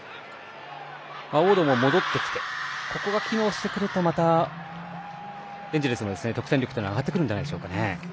ウォードも戻ってきてここが機能してくると、またエンジェルスの得点力は上がってくるんじゃないでしょうか。